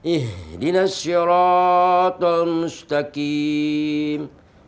ihdinas shiratan mustaqim